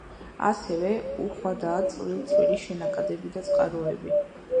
ასევე, უხვადაა წვრილ-წვრილი შენაკადები და წყაროები.